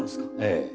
ええ。